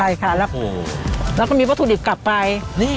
ใช่ค่ะแล้วก็มีวัตถุดิบกลับไป